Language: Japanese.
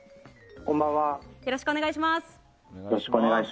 よろしくお願いします。